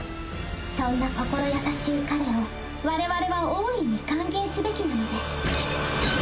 そんな心優しい彼を我々は大いに歓迎すべきなのです。